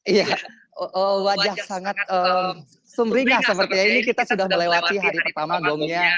iya wajah sangat sumringah seperti ya ini kita sudah melewati hari pertama dongnya